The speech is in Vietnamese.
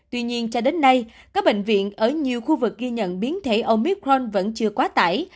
tuy nhiên cho đến nay các bệnh viện ở nhiều khu vực ghi nhận biến thể omicron vẫn chưa quá tải